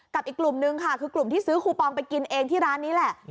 อีกกลุ่มนึงค่ะคือกลุ่มที่ซื้อคูปองไปกินเองที่ร้านนี้แหละ